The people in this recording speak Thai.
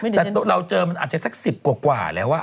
แต่เราเจอมันอาจจะสัก๑๐กว่าแล้ว